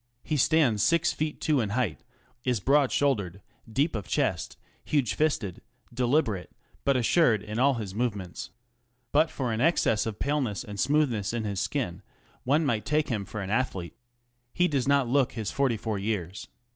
He stands six feet two in height, is broad shouldered, deep of chest, huge fisted, deliberate, but assured in all his movements. But for an excess of paleness and smoothness in his skin one might take him for an athlete. He does not look his forty four years.